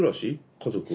家族は。